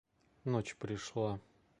Ночь пришла.